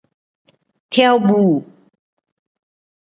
Tiaw bu